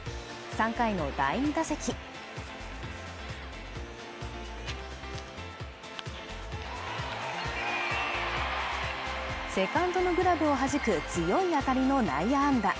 ３回の第２打席セカンドのグラブをはじく強い当たりの内野安打